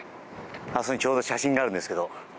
あそこにちょうど写真があるんですけど。